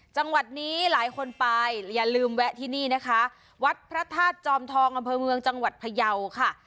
จังหวัดนี้หลายคนไปอย่าลืมแวะที่นี่นะคะวัดพระธาตุจอมทองอำเภอเมืองจังหวัดพยาวค่ะ